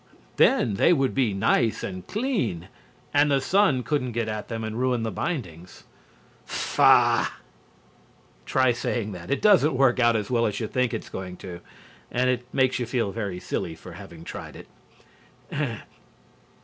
Then they would be nice and clean. And the sun couldn't get at them and ruin the bindings. Faugh! (Try saying that. It doesn't work out at all as you think it's going to. And it makes you feel very silly for having tried it.)